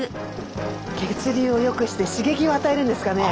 血流をよくして刺激を与えるんですかね？